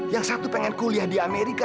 yang satu pengen kuliah di amerika